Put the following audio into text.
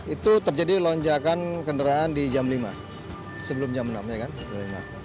itu terjadi lonjakan kendaraan di jam lima sebelum jam enam